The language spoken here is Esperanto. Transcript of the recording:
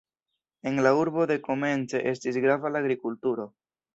En la urbo dekomence estis grava la agrikulturo.